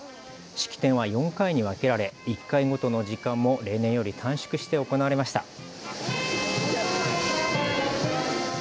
式典は４回に分けられ１回ごとの時間も例年より短縮して行われました。